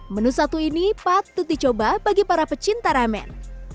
menu satu ini patut dicoba bagi para pecinta ramen